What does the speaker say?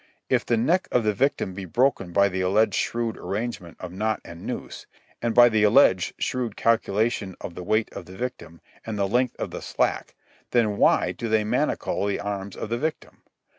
If the neck of the victim be broken by the alleged shrewd arrangement of knot and noose, and by the alleged shrewd calculation of the weight of the victim and the length of slack, then why do they manacle the arms of the victim?